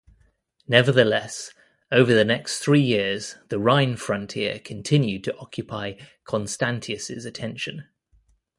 Nevertheless, over the next three years the Rhine frontier continued to occupy Constantius' attention.